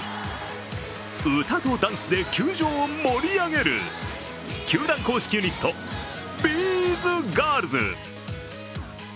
歌とダンスで球場を盛り上げる球団公式ユニット、ＢｓＧｉｒｌｓ。